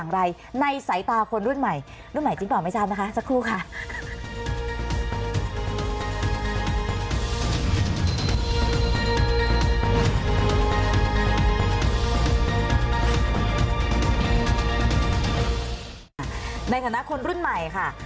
ในฐานะคนรุ่นใหม่ค่ะ